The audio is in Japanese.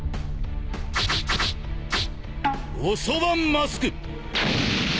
おそばマスク！